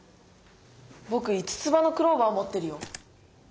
ぼく五つ葉のクローバーもってるよ。